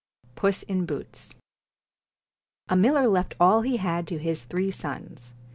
PUSS IN BOOTS MILLER left all he had to his three sons.